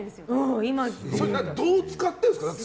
どう使ってるんですか。